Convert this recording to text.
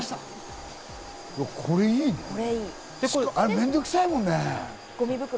あれ、面倒くさいもんね。